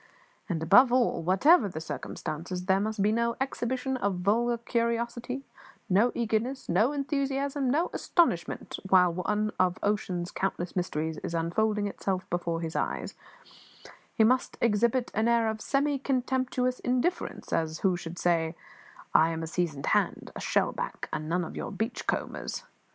And, above all, whatever the circumstances, there must be no exhibition of vulgar curiosity, no eagerness, no enthusiasm, no astonishment while one of ocean's countless mysteries is unfolding itself before his eyes; he must exhibit an air of semi contemptuous indifference, as who should say, "I am a seasoned hand a shell back, and none of your beach combers.